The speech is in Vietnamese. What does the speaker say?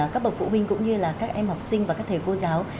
các bậc phụ huynh cũng như là các em học sinh và các thầy cô giáo